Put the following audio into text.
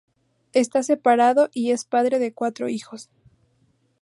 Esta separado y es padre de cuatro hijos.